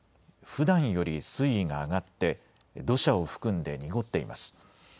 ふだんより水位が上がって土砂を含んで濁っています。